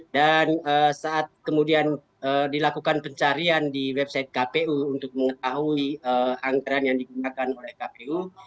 dan saat kemudian dilakukan pencarian di website kpu untuk mengetahui anggaran yang digunakan oleh kpu